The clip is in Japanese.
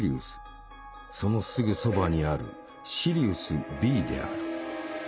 そのすぐそばにあるシリウスＢである。